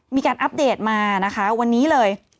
อัปเดตมานะคะวันนี้เลย